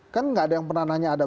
kan nggak ada yang pernah nanya ada